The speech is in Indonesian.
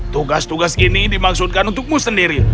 tugas tugas ini dimaksudkan untukmu sendiri